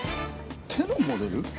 手のモデル？